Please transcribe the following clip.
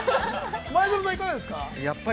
前園さん、いかがですか。